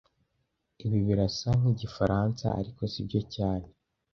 Ibi birasa nkigifaransa, ariko sibyo cyane